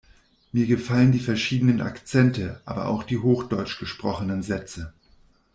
Mir gefallen die verschiedenen Akzente, aber auch die hochdeutsch gesprochenen Sätze.